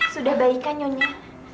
sudah baik kan nyonya